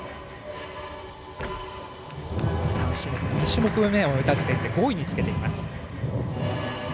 ２種目めを終えた時点で５位につけています。